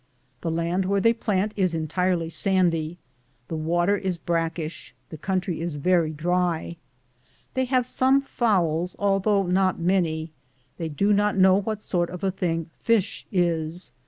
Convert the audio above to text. The land where they plant is entirely Bandy ; the water is brackish ; the country is very dry. They have some fowls, although not many. They do not know what sort of a thing fish is.